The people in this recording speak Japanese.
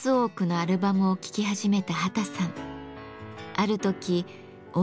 ある時音